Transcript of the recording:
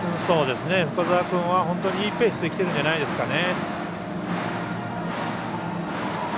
深沢君は本当にいいペースできてるんじゃないですかね。